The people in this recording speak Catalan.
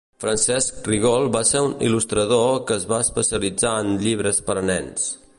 Francesc Rigol va ser un il·lustrador que es va especialitzar en llibres per a nens.